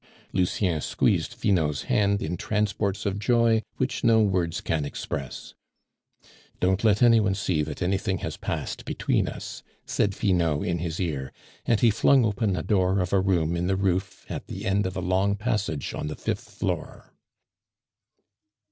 Lucien squeezed Finot's hand in transports of joy which no words can express. "Don't let any one see that anything has passed between us," said Finot in his ear, and he flung open a door of a room in the roof at the end of a long passage on the fifth floor.